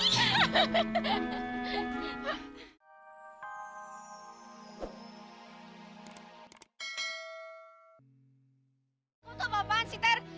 kau tuh apa apaan sih ter